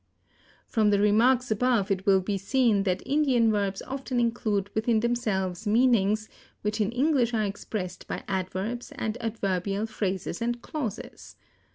From the remarks above, it will be seen that Indian verbs often include within themselves meanings which in English are expressed by adverbs and adverbial phrases and clauses.